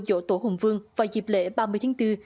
dỗ tổ hùng vương vào dịp lễ ba mươi tháng bốn